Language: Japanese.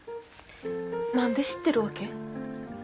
何で知ってるわけ？